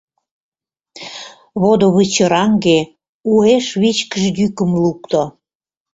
Водывычыраҥге уэш вичкыж йӱкым лукто: